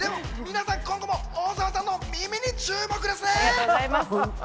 皆さん今後も大沢さんの耳に注目ですね。